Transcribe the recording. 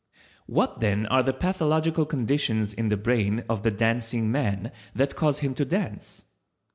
What then are the pathological conditions in the brain of the Dancing man that cause him to dance?